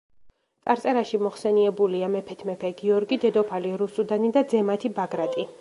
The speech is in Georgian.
წარწერაში მოხსენიებულია მეფეთ მეფე გიორგი, დედოფალი რუსუდანი და ძე მათი ბაგრატი.